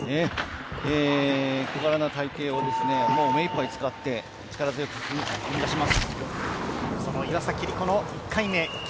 小柄な体型を目いっぱい使って力強く踏み出します。